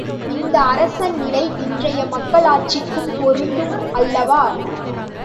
இந்த அரசன் நிலை, இன்றைய மக்களாட்சிக்கும் பொருந்தும் அல்லவா?